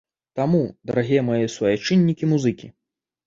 Таму, дарагія мае суайчыннікі-музыкі!